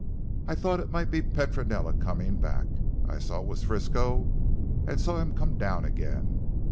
I thought it might be Petronella coming back. I saw it was Frisco and saw him come down again.